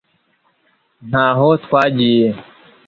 ntaho twagiye